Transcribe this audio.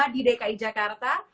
di dki jakarta